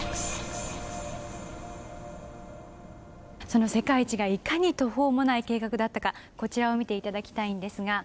その世界一がいかに途方もない計画だったかこちらを見て頂きたいんですが。